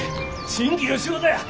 新規の仕事や！